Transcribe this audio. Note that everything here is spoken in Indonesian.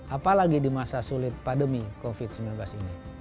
apalagi di masa sulit pandemi covid sembilan belas ini